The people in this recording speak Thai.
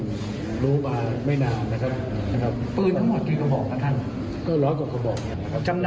จำนำทั้งร้อยกระบอกหรือว่าเอาไปขายด้วยอันนั้น